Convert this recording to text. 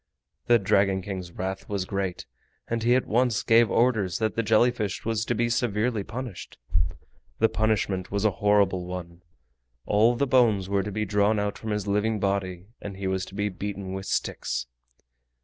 The Dragon King's wrath was great, and he at once gave orders that the jelly fish was to be severely punished. The punishment was a horrible one. All the bones were to be drawn out from his living body, and he was to be beaten with sticks.